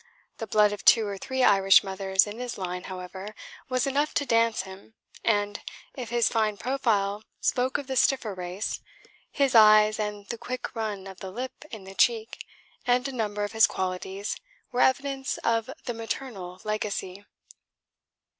The blood of two or three Irish mothers in his line, however, was enough to dance him, and if his fine profile spoke of the stiffer race, his eyes and the quick run of the lip in the cheek, and a number of his qualities, were evidence of the maternal legacy.